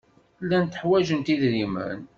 Llant ḥwajent idrimen.